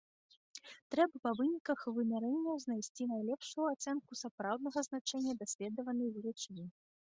Трэба па выніках вымярэнняў знайсці найлепшую ацэнку сапраўднага значэння даследаванай велічыні.